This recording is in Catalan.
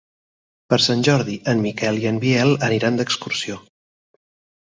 Per Sant Jordi en Miquel i en Biel aniran d'excursió.